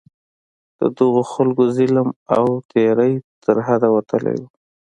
د دغو خلکو ظلم او تېری تر حده وتلی وو.